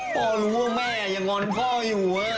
พ่อรู้ว่าแม่ยังงอนพ่ออยู่